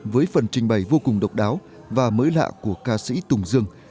với phần trình bày vô cùng độc đáo và mới lạ của ca sĩ tùng dương